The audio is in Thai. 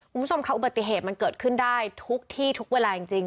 คุณผู้ชมค่ะอุบัติเหตุมันเกิดขึ้นได้ทุกที่ทุกเวลาจริง